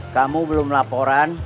kamu belum laporan